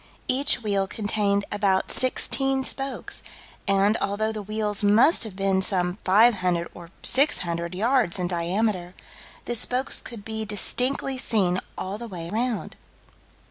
Each wheel contained about sixteen spokes, and, although the wheels must have been some 500 or 600 yards in diameter, the spokes could be distinctly seen all the way round.